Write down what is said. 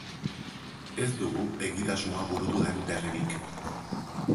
Ez dugu egitasmoa burutu den berririk.